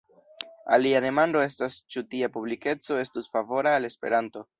Alia demando estas, ĉu tia publikeco estus favora al Esperanto.